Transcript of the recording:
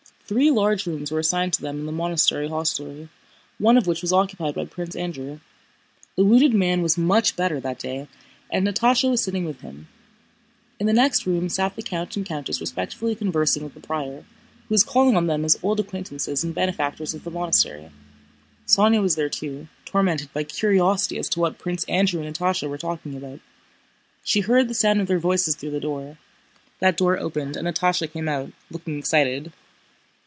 Three large rooms were assigned to them in the monastery hostelry, one of which was occupied by Prince Andrew. The wounded man was much better that day and Natásha was sitting with him. In the next room sat the count and countess respectfully conversing with the prior, who was calling on them as old acquaintances and benefactors of the monastery. Sónya was there too, tormented by curiosity as to what Prince Andrew and Natásha were talking about. She heard the sound of their voices through the door. That door opened and Natásha came out, looking excited.